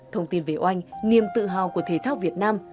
thông tin về oanh niềm tự hào của thể thao việt nam